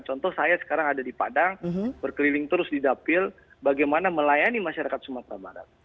contoh saya sekarang ada di padang berkeliling terus di dapil bagaimana melayani masyarakat sumatera barat